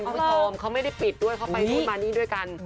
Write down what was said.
เค้ามีแฟนไม่พร้อมเค้าไม่ได้ปิดด้วยเค้าไปพูดมานี่ด้วยกัน